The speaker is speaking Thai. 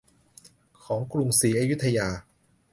ของกรุงศรีอยุธยา